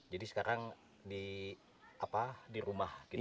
jadi sekarang di apa di rumah gitu ya